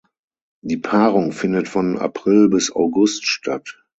Die Paarung findet von April bis August statt.